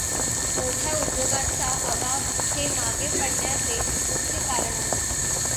मोठ्या उद्योगांचा अभाव हे मागे पडण्याचे मुख्य कारण आहे.